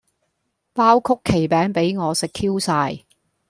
包曲奇餅比我食 Q 曬